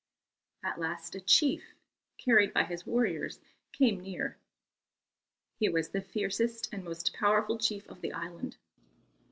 At last a chief, carried by his warriors, came near. He was the fiercest and most powerful chief on the island.